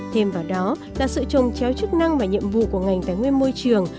thêm vào đó là sự trồng chéo chức năng và nhiệm vụ của ngành tài nguyên môi trường